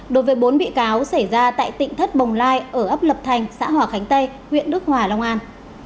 đối với bốn bị cáo xảy ra tại tỉnh thất bồng lai ở ấp lập thành xã hòa khánh tây huyện đức hòa long an